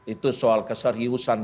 itu soal keseriusan masyarakat